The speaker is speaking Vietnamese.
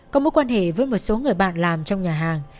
có mối quan hệ với một số người bạn làm trong nhà hàng